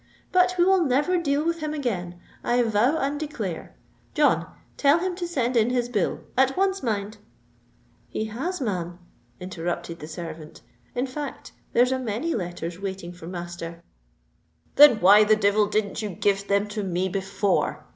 "But we will never deal with him again, I vow and declare! John, tell him to send in his bill——at once, mind——" "He has, ma'am," interrupted the servant "In fact, there's a many letters waiting for master." "Then why the devil didn't you give them to me before?"